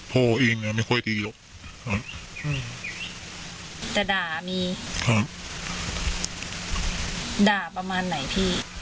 พ่อเองไม่ค่อยดีหรอกแต่ด่ามีครับด่าประมาณไหนพี่